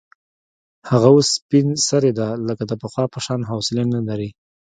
هغه اوس سپین سرې ده، لکه د پخوا په شان حوصله نه لري.